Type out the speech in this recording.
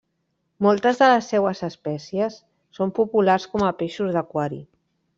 Moltes de les seues espècies són populars com a peixos d'aquari.